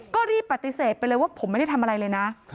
ก็รีบปฏิเสธไปเลยว่าผมไม่ได้ทำอะไรเลยนะ